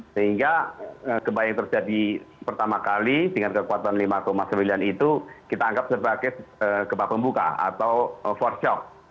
sehingga gempa yang terjadi pertama kali dengan kekuatan lima sembilan itu kita anggap sebagai gempa pembuka atau for shock